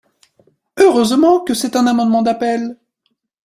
Heureusement que c’est un amendement d’appel